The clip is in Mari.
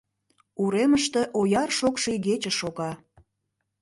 Уремыште ояр шокшо игече шога.